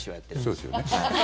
そうですよね。